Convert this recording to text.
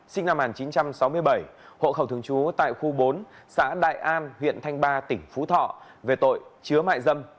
sinh năm một nghìn chín trăm sáu mươi bảy hộ khẩu thường trú tại khu bốn xã đại an huyện thanh ba tỉnh phú thọ về tội chứa mại dâm